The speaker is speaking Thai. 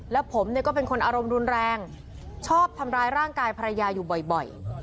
แล้วผมเนี่ยก็เป็นคนอารมณ์รุนแรงชอบทำร้ายร่างกายภรรยาอยู่บ่อย